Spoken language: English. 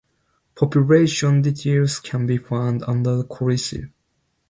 Population details can be found under Coleshill.